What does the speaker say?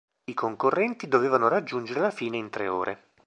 I concorrenti dovevano raggiungere la fine in tre ore.